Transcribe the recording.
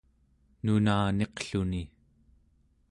nunaniqluni